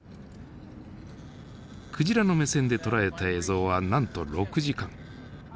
クジラの目線で捉えた映像はなんと６時間。